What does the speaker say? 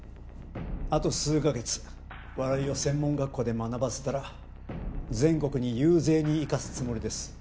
あと数カ月笑いを専門学校で学ばせたら全国に遊説に行かすつもりです。